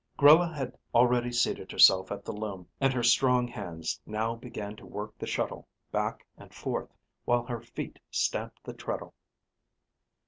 Grella had already seated herself at the loom, and her strong hands now began to work the shuttle back and forth while her feet stamped the treadle.